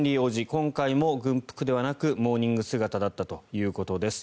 今回も軍服ではなくモーニング姿だったということです。